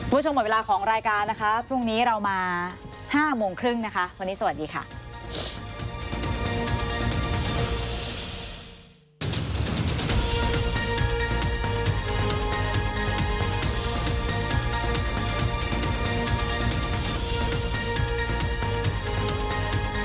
คุณผู้ชมหมดเวลาของรายการนะคะพรุ่งนี้เรามา๕โมงครึ่งนะคะวันนี้สวัสดีค่ะ